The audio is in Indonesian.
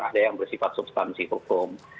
ada yang bersifat substansi hukum